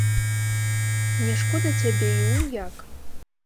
Мне шкода цябе і унь як!